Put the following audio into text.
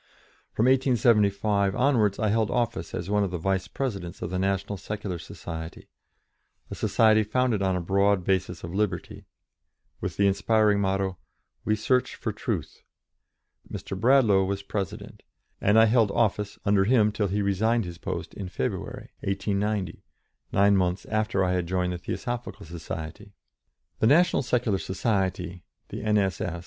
From 1875 onwards I held office as one of the vice presidents of the National Secular Society a society founded on a broad basis of liberty, with the inspiring motto, "We Search for Truth." Mr. Bradlaugh was president, and I held office under him till he resigned his post in February, 1890, nine months after I had joined the Theosophical Society. The N.S.S.